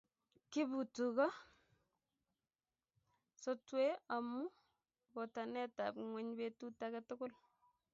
kibutoko sotwe omu botanekab ng'weny betut age